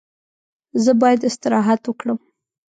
زه باید استراحت وکړم.